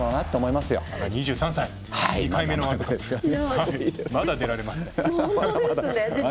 まだ出られますね。